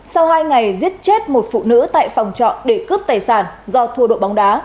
sau hai ngày giết chết một phụ nữ tại phòng trọ để cướp tài sản do thu đội bóng đá